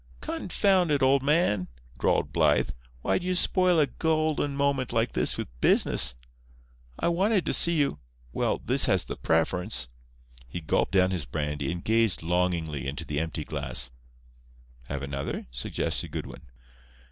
"Confound it, old man," drawled Blythe, "why do you spoil a golden moment like this with business? I wanted to see you—well, this has the preference." He gulped down his brandy, and gazed longingly into the empty glass. "Have another?" suggested Goodwin.